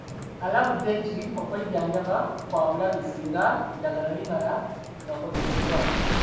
Alabudde nti okwejjanjaba kwa bulabe singa eddagala limala gakozesebwa.